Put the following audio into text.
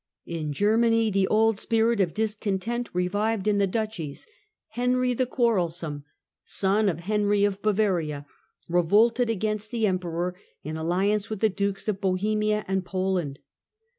In Germany the old spirit of discontent revived in the duchies. Henry the Quarrel some, son of Henry of Bavaria, revolted against the Emperor, in alliance with the dukes of Bohemia and Poland.